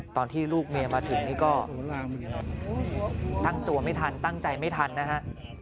ตอนที่ลูกเมียมาถึงนี่ก็ตั้งตัวไม่ทันตั้งใจไม่ทันนะฮะ